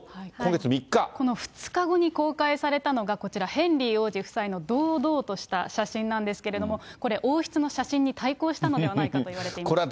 この２日後に公開されたのが、こちら、ヘンリー王子夫妻の堂々とした写真なんですけれども、これ、王室の写真に対抗したのではないかといわれています。